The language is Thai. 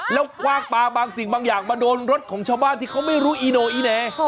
แล้วคว่างปลาบางสิ่งบางอย่างมาโดนรถของชาวบ้านที่เขาไม่รู้อีโนอีแน